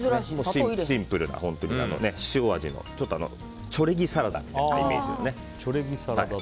シンプルな塩味のちょっとチョレギサラダみたいなイメージのね。